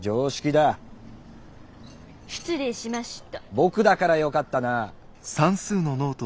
僕だから良かったな。